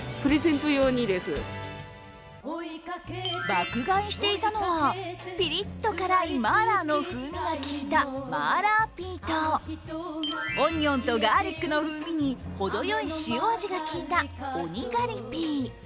爆買いしていたのはピリッと辛いマーラーの風味がきいたマーラーピーとオニオンとガーリックの風味に程よい塩味がきいたオニガリピー。